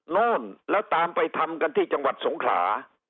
โน่นแล้วตามไปทำกันที่จังหวัดสงขลา